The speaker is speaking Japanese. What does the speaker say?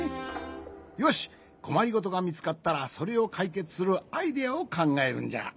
よしこまりごとがみつかったらそれをかいけつするアイデアをかんがえるんじゃ。